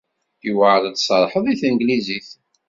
Yewɛeṛ ad tserrḥeḍ deg tanglizit.